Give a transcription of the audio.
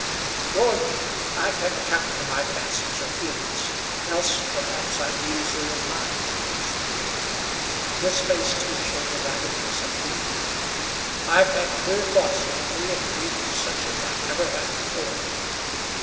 "George, I can't account for my fancies or feelings, else, perhaps, I'd be easier in mind," answered Dave. His face, too, showed the ravages of grief. "I've had queer thoughts lately, and dreams such as I never had before.